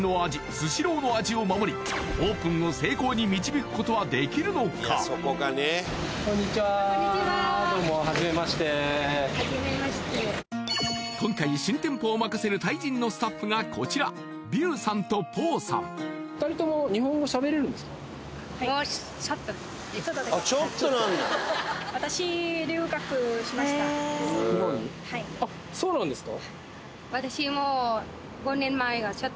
スシローの味を守りオープンを成功に導くことはできるのかどうもはじめましてはじめまして今回新店舗を任せるタイ人のスタッフがこちらビューさんとポーさん２人ともあっそうなんですか？